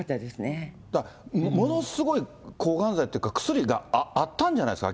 ものすごい抗がん剤っていうか、薬が合ったんじゃないですか？